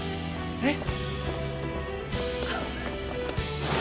えっ？